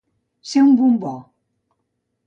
Ser un bombó.